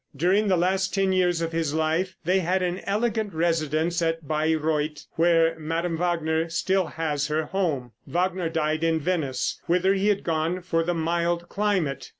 During the last ten years of his life they had an elegant residence at Bayreuth, where Mme. Wagner still has her home. Wagner died in Venice, whither he had gone for the mild climate.